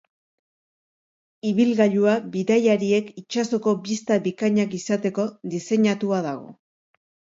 Ibilgailua bidaiariek itsasoko bista bikainak izateko diseinatua dago.